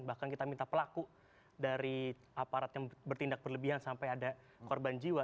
bahkan kita minta pelaku dari aparat yang bertindak berlebihan sampai ada korban jiwa